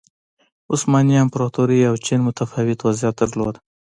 عثماني امپراتورۍ او چین متفاوت وضعیت درلود.